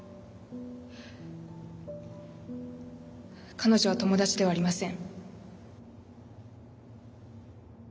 彼女は友達ではありません。